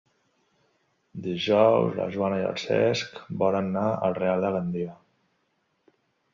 Dijous na Joana i en Cesc volen anar al Real de Gandia.